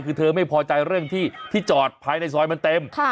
คือเธอไม่พอใจเรื่องที่ที่จอดภายในซอยมันเต็ม